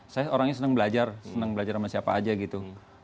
saya orangnya senang belajar senang belajar sama siapa aja gitu